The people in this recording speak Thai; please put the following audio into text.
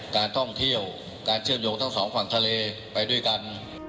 การท่องเที่ยวการเชื่อมโยงทั้งสองฝั่งทะเลไปด้วยกัน